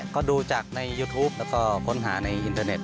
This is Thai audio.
ก็ดูจากในยูทูปแล้วก็ค้นหาในอินเทอร์เน็